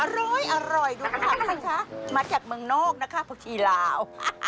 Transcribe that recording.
อร่อยดูผักนะคะมาจากเมืองนอกนะคะผักชีลาว